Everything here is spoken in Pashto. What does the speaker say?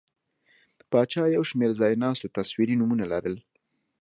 پاچا یو شمېر ځایناستو تصویري نومونه لرل.